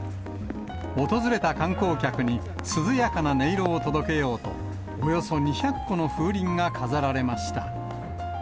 訪れた観光客に、涼やかな音色を届けようと、およそ２００個の風鈴が飾られました。